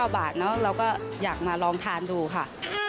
๔๙บาทเราก็อยากมาลองทานดูค่ะ